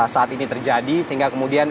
saat ini terjadi sehingga kemudian